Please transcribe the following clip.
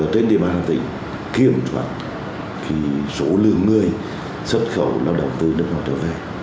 trên địa bàn hà tĩnh kiểm soát số lượng người xuất khẩu làm đồng tư được mở trở về